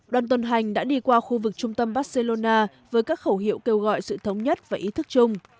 đoàn tuần hành đã đi qua khu vực trung tâm barcelona với các khẩu hiệu kêu gọi sự thống nhất và ý thức chung